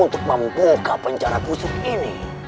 untuk membuka penjara khusus ini